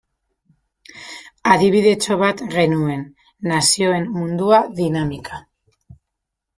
Adibidetxo bat genuen, Nazioen Mundua dinamika.